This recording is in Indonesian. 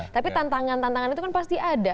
tapi tantangan tantangan itu kan pasti ada